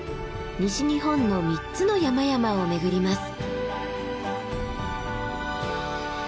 西日本の３つの山々を巡ります。